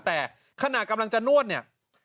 แต่ขณะกำลังจะนวดเนี่ย